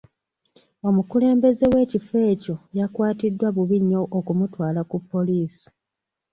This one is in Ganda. Omukulembeze w'ekifo ekyo yakwatiddwa bubi nnyo okumutwala ku poliisi.